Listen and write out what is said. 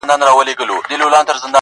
چي په غم او په ښادي کي خوا په خوا سي!!